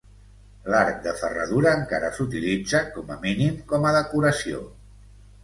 L'arc de ferradura encara s'utilitza, com a mínim com a decoració.